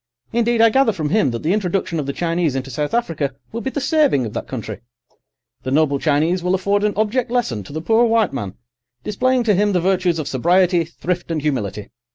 Indeed, I gather from him that the introduction of the Chinese into South Africa will be the saving of that country. The noble Chinese will afford an object lesson to the poor white man, displaying to him the virtues of sobriety, thrift, and humility.